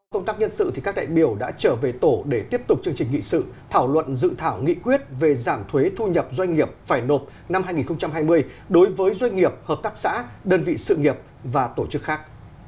công tác nhân sự thì các đại biểu đã trở về tổ để tiếp tục chương trình nghị sự thảo luận dự thảo nghị quyết về giảm thuế thu nhập doanh nghiệp phải nộp năm hai nghìn hai mươi đối với doanh nghiệp hợp tác xã đơn vị sự nghiệp và tổ chức khác